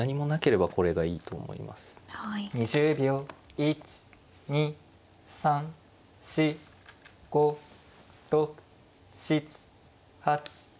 １２３４５６７８。